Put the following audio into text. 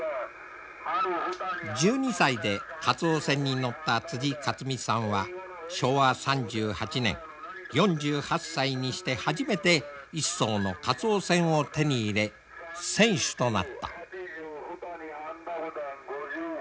１２歳でカツオ船に乗った一水さんは昭和３８年４８歳にして初めて一艘のカツオ船を手に入れ船主となった。